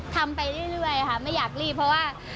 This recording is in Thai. ทำไปเรื่อยค่ะไม่อยากรีบเพราะว่า